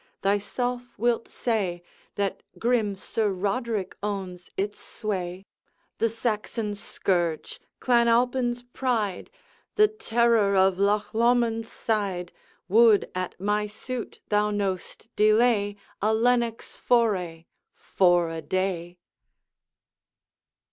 thyself wilt say, That grim Sir Roderick owns its sway. The Saxon scourge, Clan Alpine's pride, The terror of Loch Lomond's side, Would, at my suit, thou know'st, delay A Lennox foray for a day.'